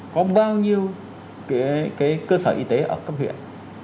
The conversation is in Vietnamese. có bao nhiêu cơ sở y tế ở cấp huyện